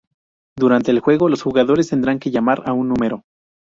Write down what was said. Durante el juego, los jugadores tendrán que llamar a un número.